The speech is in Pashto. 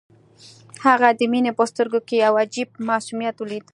هغه د مينې په سترګو کې يو عجيب معصوميت وليد.